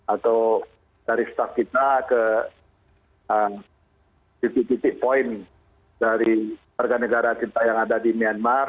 atau dari staff kita ke titik titik poin dari warga negara kita yang ada di myanmar